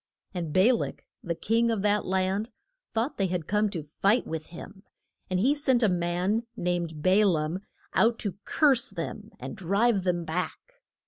And Ba lak, the king of that land, thought they had come to fight with him, and he sent a man named Ba laam out to curse them and drive them back.